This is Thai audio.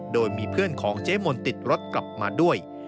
โดยมีเพื่อนของเจ๊มนติดรถกลับมาด้วย